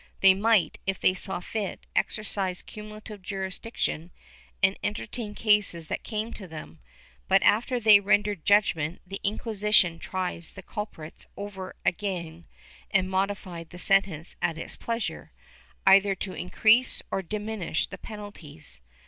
They might, if they saw fit, exercise cumulative juris diction, and entertain cases that came to them, but, after they rendered judgement, the Inquisition tried the culprits over again and modified the sentence at its pleasure, either to increase or diminish the penalties.